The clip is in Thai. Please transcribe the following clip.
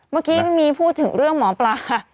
เมื่อกี้ไม่มีพูดถึงเรื่องหมอปลา